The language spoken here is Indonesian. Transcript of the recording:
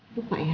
lupa ya kan yang